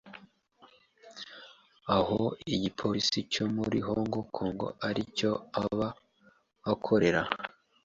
aho igipolisi cyo muri Hong Kong ari cyo aba akorera